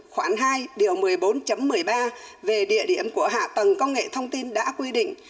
khoảng hai điều một mươi bốn một mươi ba về địa điểm của hạ tầng công nghệ thông tin đã quy định